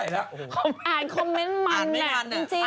อ่านคอมเมนท์มันอ่ะคือจริงอ่ะ